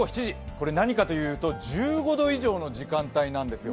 これ、何かというと、１５度以上の時間帯なんですよ。